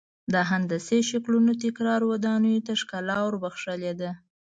د هندسي شکلونو تکرار ودانیو ته ښکلا ور بخښلې ده.